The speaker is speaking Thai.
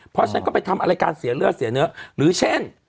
เพราะฉะนั้นก็ไปทำอะไรการเสียเลือดเสียเนื้อหรือเช่น